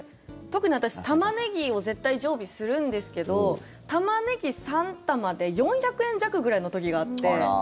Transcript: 特に私、タマネギを絶対常備するんですけどタマネギ３玉で４００円弱ぐらいの時があって。